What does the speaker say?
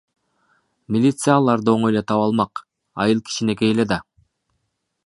Милиция аларды оңой эле таап алмак, айыл кичинекей эле да.